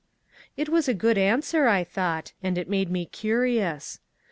It was a good answer, I thought, and it made me curious.